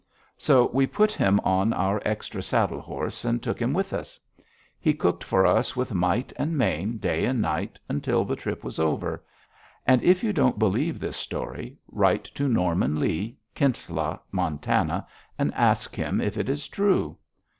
_" So we put him on our extra saddle horse and took him with us. He cooked for us with might and main, day and night, until the trip was over. And if you don't believe this story, write to Norman Lee, Kintla, Montana, and ask him if it is true.